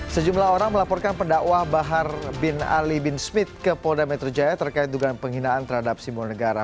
sejumlah orang melaporkan pendakwah bahar bin ali bin smith ke polda metro jaya terkait dugaan penghinaan terhadap simbol negara